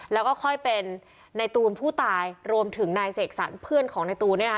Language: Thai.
แล้วก็ค่อยเป็นในตูนผู้ตายรวมถึงนายเสกสรรเพื่อนของในตูนเนี่ยนะคะ